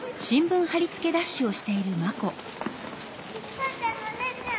さーちゃんのお姉ちゃん！